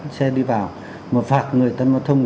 xe đi vào mà phạt người tân giao thông